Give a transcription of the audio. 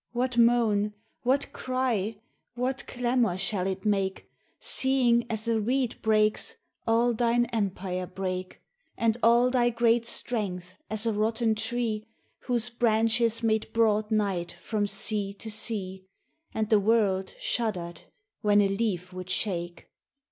What moan, what cry, what clamour shall it make, Seeing as a reed breaks all thine empire break, And all thy great strength as a rotten tree, Whose branches made broad night from sea to sea, And the world shuddered when a leaf would shake?